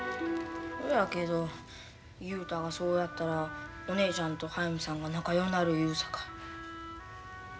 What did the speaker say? ほやけど雄太がそうやったらお姉ちゃんと速水さんが仲ようなる言うさかい。